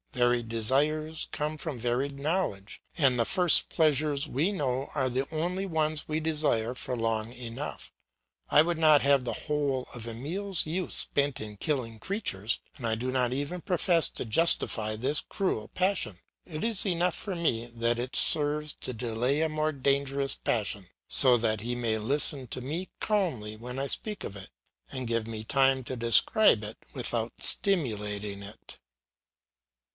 Varied desires come with varied knowledge, and the first pleasures we know are the only ones we desire for long enough. I would not have the whole of Emile's youth spent in killing creatures, and I do not even profess to justify this cruel passion; it is enough for me that it serves to delay a more dangerous passion, so that he may listen to me calmly when I speak of it, and give me time to describe it without stimulating it.